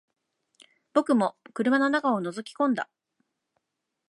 僕も車の中を覗き込んだ